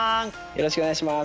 よろしくお願いします。